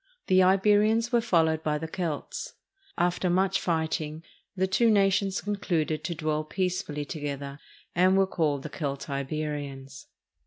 The Iberians were followed by the Celts. After much fight ing the two nations concluded to dwell peacefully together, and were called the Celtiberians.